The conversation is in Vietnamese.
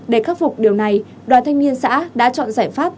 để khắc phục điều này đoàn thanh niên xã đã chọn giải pháp